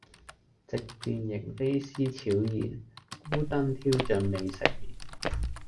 夕殿螢飛思悄然，孤燈挑盡未成眠。